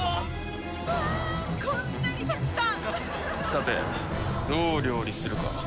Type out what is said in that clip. さてどう料理するか。